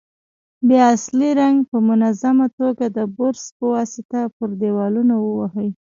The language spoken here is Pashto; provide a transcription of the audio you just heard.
بیا اصلي رنګ په منظمه توګه د برش په واسطه پر دېوالونو ووهئ.